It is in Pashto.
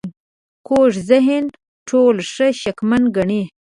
کوږ ذهن ټول ښه شکمن ګڼي